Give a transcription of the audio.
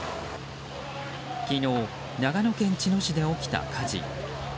昨日、長野県茅野市で起きた火事。